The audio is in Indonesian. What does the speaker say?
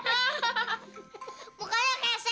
jangan lupa like cleaning administrasi